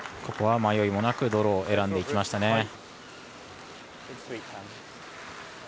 ここは迷いもなくドローを選んでいきましたね。